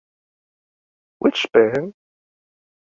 Which pen?